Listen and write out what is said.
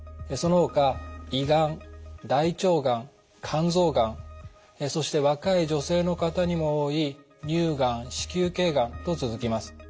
そのほか胃がん大腸がん肝臓がんそして若い女性の方にも多い乳がん子宮頸がんと続きます。